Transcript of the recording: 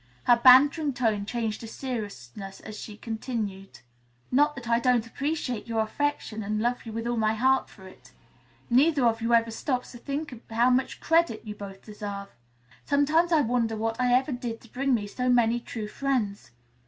Her bantering tone changing to seriousness she continued, "Not that I don't appreciate your affection, and love you with all my heart for it. Neither of you ever stops to think how much credit you both deserve. Sometimes I wonder what I ever did to bring me so many true friends.